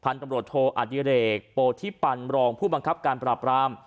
ตำรวจโทอดิเรกโปธิปันรองผู้บังคับการปราบราม